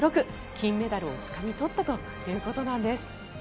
金メダルをつかみ取ったということです。